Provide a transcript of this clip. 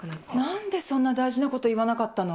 何でそんな大事なこと言わなかったの？